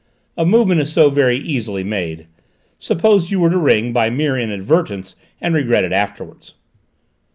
"A movement is so very easily made: suppose you were to ring, by mere inadvertence, and regret it afterwards?"